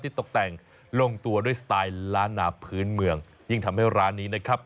ตกแต่งลงตัวด้วยสไตล์ล้านนาพื้นเมืองยิ่งทำให้ร้านนี้นะครับ